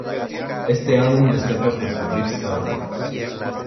Este álbum destaca por sus "riffs" caóticos.